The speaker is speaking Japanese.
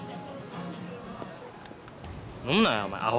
飲むなやお前アホ！